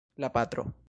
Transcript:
La patro.